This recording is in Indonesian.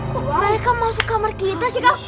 kok mereka masuk kamar kita sih kang